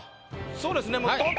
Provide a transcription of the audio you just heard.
そうですね